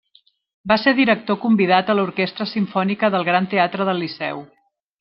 Va ser director convidat a l'Orquestra Simfònica del Gran Teatre del Liceu.